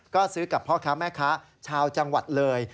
ก็ซื้อกับพ่อค้าแม่ค้าชาวจังหวัดเลย